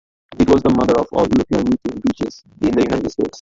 It was the mother of all European weeping beeches in the United States.